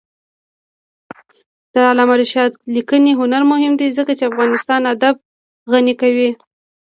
د علامه رشاد لیکنی هنر مهم دی ځکه چې افغانستان ادب غني کوي.